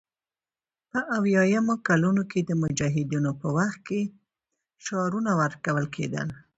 په اویایمو کلونو کې د مجاهدینو په وخت کې شعارونه ورکول کېدل